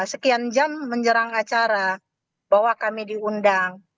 sekian jam menjelang acara bahwa kami diundang